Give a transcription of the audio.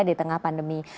di tengah pandemi